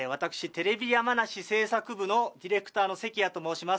テレビ山梨制作部のディレクターの関谷と申します